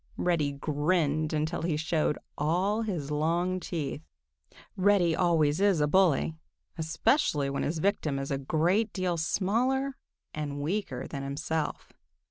Reddy grinned until he showed all his long teeth. Reddy always is a bully, especially when his victim is a great deal smaller and weaker than himself.